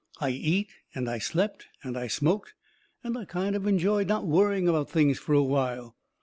I eat and I slept and I smoked and I kind of enjoyed not worrying about things fur a while.